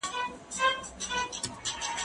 د کتابتون د کار مرسته وکړه!.